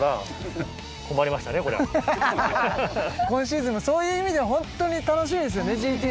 今シーズンもそういう意味で本当に楽しみですよね